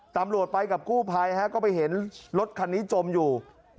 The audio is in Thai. ตำรวจไปกับกู้ภัยก็ไปเห็นรถคันนี้จมอยู่